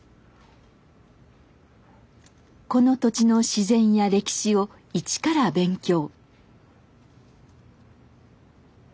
この土地の自然や歴史を一から勉強。